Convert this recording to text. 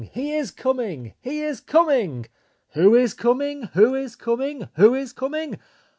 HE IS COMING! HE IS COMING! WHO IS COMING??? WHO IS COMING??? WHO IS COMING???